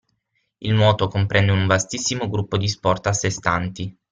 Il nuoto comprende un vastissimo gruppo di sport a sè stanti.